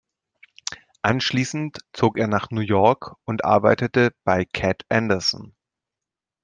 Anschließend zog er nach New York und arbeitete bei Cat Anderson.